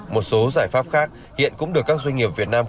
một số giải pháp khác hiện cũng được các doanh nghiệp việt nam